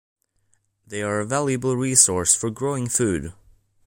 They are a valuable resource for growing food.